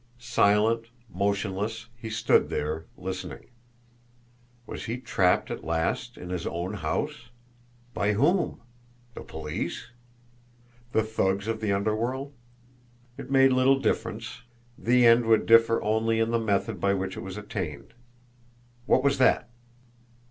Silent, motionless, he stood there, listening. Was he trapped at last in his own house! By whom? The police? The thugs of the underworld? It made little difference the end would differ only in the method by which it was attained! What was that!